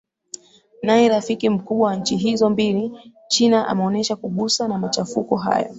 naye rafiki mkubwa wa nchi hizo mbili china ameonesha kugusa na machafuko hayo